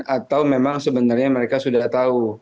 atau memang sebenarnya mereka sudah tahu